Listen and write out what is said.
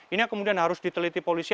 ini yang kemudian harus diteliti polisi